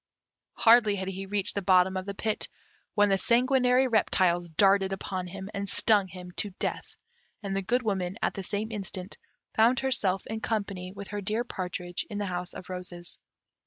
Hardly had he reached the bottom of the pit, when the sanguinary reptiles darted upon him, and stung him to death, and the Good Woman, at the same instant, found herself in company with her dear partridge in the House of Roses.